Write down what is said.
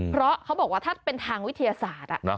เพราะเขาบอกว่าถ้าเป็นทางวิทยาศาสตร์